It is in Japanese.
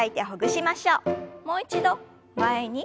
もう一度前に。